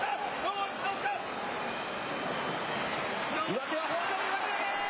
上手は豊昇龍上手投げ！